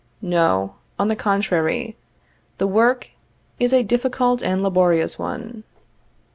_ No; on the contrary, the work is a difficult and laborious one.